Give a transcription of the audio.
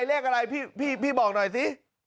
เลขอะไรพี่บอกหน่อยสิ